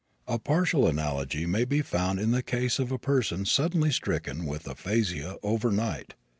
A partial analogy may be found in the case of a person suddenly stricken with aphasia over night.